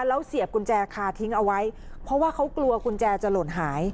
แล้วเสียบกุญแจคาทิ้งเอาไว้เพราะว่าเขากลัวกุญแจจะหล่นหาย